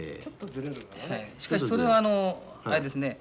しかしそれはあれですね